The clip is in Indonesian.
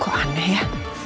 kok aneh ya